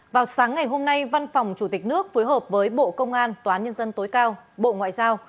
vào sáng ngày hôm nay văn phòng chủ tịch nước phối hợp với bộ công an tòa án nhân dân tối cao bộ ngoại giao